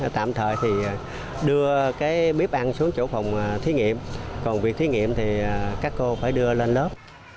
tạm thời thì đưa bếp ăn xuống chỗ phòng thí nghiệm còn việc thí nghiệm thì các cô phải đưa lên lớp